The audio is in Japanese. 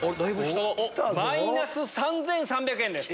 マイナス３３００円です。